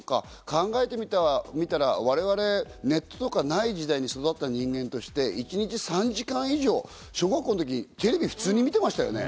考えてみたら我々、ネットとかない時代に育った人間として、一日３時間以上、小学校のとき、テレビ普通に見てましたよね。